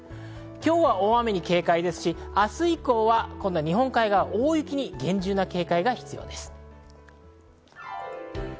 今日は大雨に警戒ですし、明日以降は日本海側、大雪に厳重な警戒が必要です。